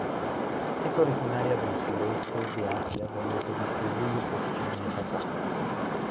Es originaria del sureste de Asia donde se distribuye por China y Japón.